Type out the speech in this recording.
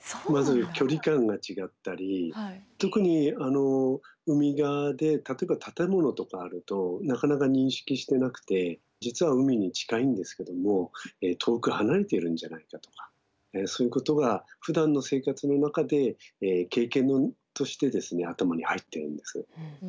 まず距離感が違ったり特に海側で例えば建物とかあるとなかなか認識してなくて実は海に近いんですけども遠く離れているんじゃないかとかそういうことがふだんの生活の中で経験として頭に入ってるんです。